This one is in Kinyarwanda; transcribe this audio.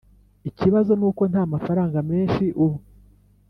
ikibazo nuko ntamafaranga menshi ubu.